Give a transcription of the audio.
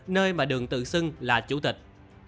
nơi mà đường tự xưng là chủ tịch